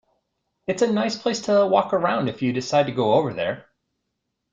It's a nice place to walk around if you decide to go over there.